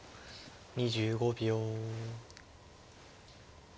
２５秒。